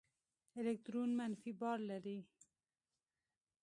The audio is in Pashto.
الکترون منفي بار لري.